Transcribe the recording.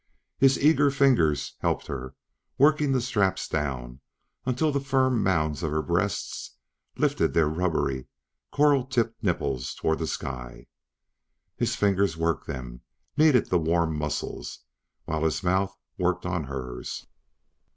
His eager fingers helped her, working the straps down until the firm mounds of her breasts lifted their rubbery, coral tipped nipples toward the sky. His fingers worked them, kneaded the warm muscles, while his mouth worked on hers.